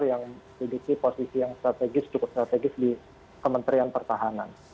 yang duduk di posisi yang strategis cukup strategis di kementerian pertahanan